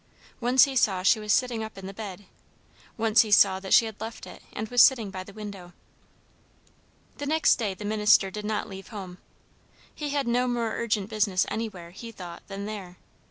Once he saw she was sitting up in the bed; once he saw that she had left it and was sitting by the window. The next day the minister did not leave home. He had no more urgent business anywhere, he thought, than there.